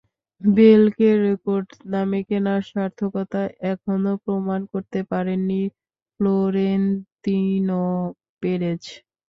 বেলকে রেকর্ড দামে কেনার সার্থকতা এখনো প্রমাণ করতে পারেননি ফ্লোরেন্তিনো পেরেজ।